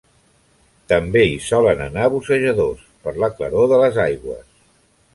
També hi solen anar bussejadors, per la claror de les aigües.